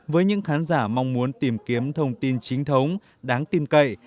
với những khán giả mong muốn tìm kiếm thông tin chính thống đáng tin cậy